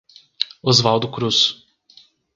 Osvaldo Cruz